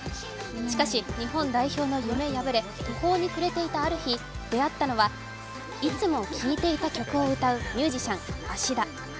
しかし日本代表の夢破れ、途方に暮れていたある日、出会ったのは、いつも聴いていた曲を歌うミュージシャン、芦田。